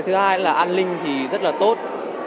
thứ hai là an ninh thì rất là tốt